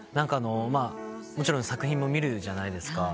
もちろん作品も見るじゃないですか。